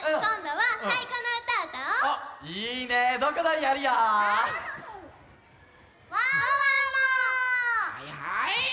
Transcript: はいはい！